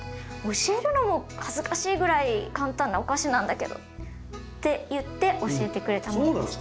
教えるのも恥ずかしいぐらい簡単なお菓子なんだけど」って言って教えてくれたものです。